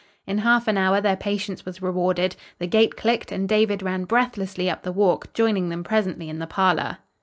In half an hour their patience was rewarded; the gate clicked and David ran breathlessly up the walk, joining them presently in the parlor.